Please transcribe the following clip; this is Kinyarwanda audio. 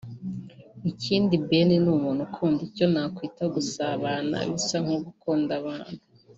ikindi Ben ni umuntu ukunda icyo nakwita gusabana bisa nko gukunda abantu